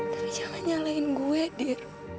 tapi jangan nyalain gue deh